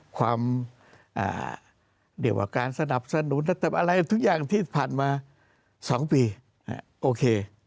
ความเรียกว่าการสนับสนุนสเต็ปอะไรทุกอย่างที่ผ่านมา๒ปีโอเค